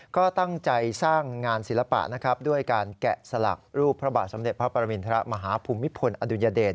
ก็ตั้งใจสร้างงานศิลปะนะครับด้วยการแกะสลักรูปพระบาทสมเด็จพระปรมินทรมาฮภูมิพลอดุญเดช